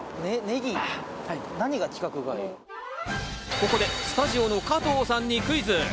ここでスタジオの加藤さんにクイズ。